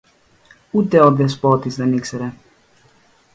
Ούτε ο Δεσπότης δεν ήξερε